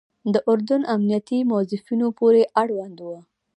د اردن امنیتي موظفینو پورې اړوند وو.